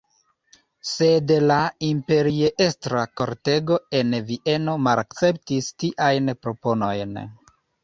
Sed la imperiestra kortego en Vieno malakceptis tiajn proponojn.